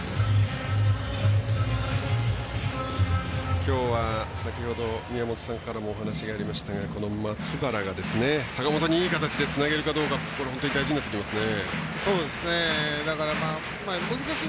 きょうは、先ほど宮本さんからもお話がありましたが松原が坂本にいい形でつなげるかどうか大事になってきますね。